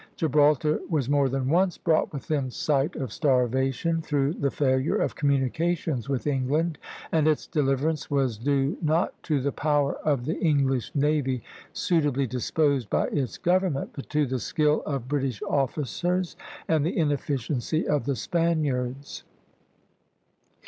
Gibraltar was more than once brought within sight of starvation, through the failure of communications with England; and its deliverance was due, not to the power of the English navy suitably disposed by its government, but to the skill of British officers and the inefficiency of the Spaniards.